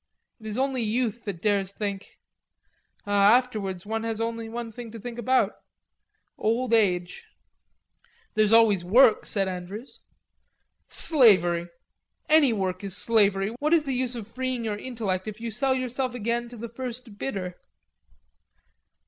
It is only youth that dares think.... Afterwards one has only one thing to think about: old age." "There's always work," said Andrews. "Slavery. Any work is slavery. What is the use of freeing your intellect if you sell yourself again to the first bidder?"